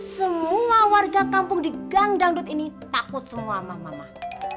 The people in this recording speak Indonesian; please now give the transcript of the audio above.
semua warga kampung di gang dangdut ini takut sama emak emak